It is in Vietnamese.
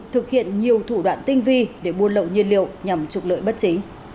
thủ đoạn tinh vi để buôn lậu nhiên liệu nhằm trục lợi bất trí